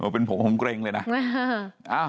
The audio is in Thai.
เป็นผมผมเกร็งเลยนะ